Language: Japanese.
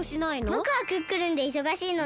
ぼくはクックルンでいそがしいので。